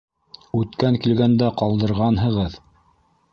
Үткән килгәндә ҡалдырғанһығыҙ...